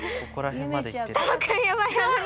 楽くんやばい。